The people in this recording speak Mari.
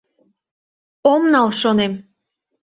Ом нал, шонем.